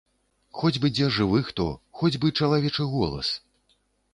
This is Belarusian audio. Хоць бы дзе жывы хто, хоць бы чалавечы голас!